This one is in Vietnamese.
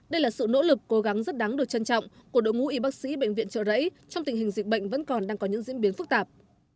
đây là sự nỗ lực cố gắng rất đáng được trân trọng của đội ngũ y bác sĩ bệnh viện trợ rẫy trong tình hình dịch bệnh vẫn còn đang có những diễn biến phức tạp